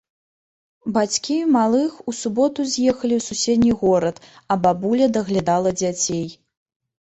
Бацькі малых у суботу з'ехалі ў суседні горад, а бабуля даглядала дзяцей.